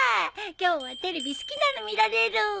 今日はテレビ好きなの見られる！